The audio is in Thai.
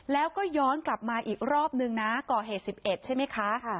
แล้วก็ย้อนกลับมาอีกรอบหนึ่งนะก่อเหตุสิบเอ็ดใช่ไหมคะค่ะ